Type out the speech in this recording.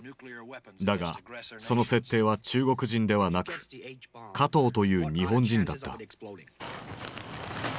だがその設定は中国人ではなくカトーという日本人だった。